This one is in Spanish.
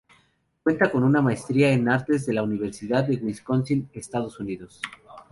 Cuenta con una Maestría en Artes de la Universidad de Wisconsin, Estados Unidos.